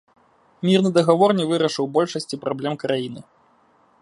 Мірны дагавор не вырашыў большасці праблем краіны.